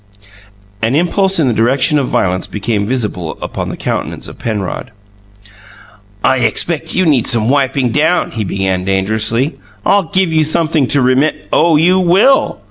An impulse in the direction of violence became visible upon the countenance of Penrod. "I expect you need some wiping down," he began dangerously. "I'll give you sumpthing to remem " "Oh, you will!"